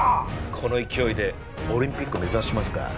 この勢いでオリンピック目指しますか？